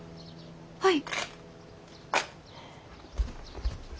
はい。